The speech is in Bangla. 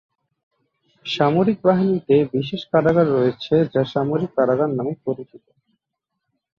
সামরিক বাহিনীতে বিশেষ কারাগার রয়েছে যা সামরিক কারাগার নামে পরিচিত।